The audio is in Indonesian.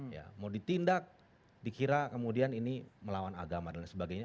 ya mau ditindak dikira kemudian ini melawan agama dan lain sebagainya